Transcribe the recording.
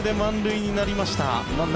これで満塁になりました。